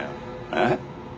えっ？